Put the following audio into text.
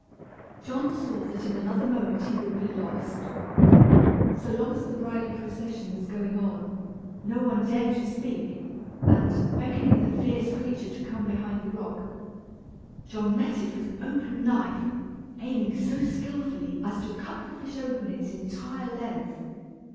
John saw that in another moment he would be lost. So long as the bridal procession was going on, no one dared to speak; and, beckoning the fierce creature to come behind the rock, John met it with an open knife, aiming so skilfully as to cut the fish open its entire length.